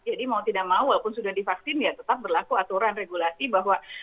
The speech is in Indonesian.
jadi mau tidak mau walaupun sudah divaksin ya tetap berlaku aturan regulasi bahwa